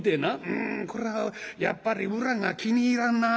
『うんこれはやっぱり裏が気に入らんな』とかな